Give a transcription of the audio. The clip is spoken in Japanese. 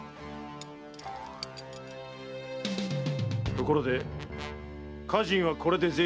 ところで家人はこれで全員だな？